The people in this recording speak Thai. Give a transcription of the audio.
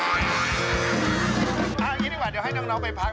เอาอย่างนี้ดีกว่าเดี๋ยวให้น้องไปพัก